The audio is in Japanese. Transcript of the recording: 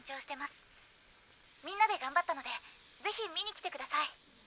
みんなで頑張ったのでぜひ見に来てください！